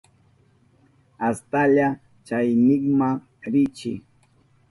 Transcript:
Astalla chaynikman riychi.